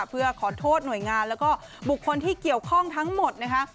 เพื่อขอโทษหน่วยงานแล้วก็บุคคลที่เกี่ยวข้องทั้งหมดนะคะ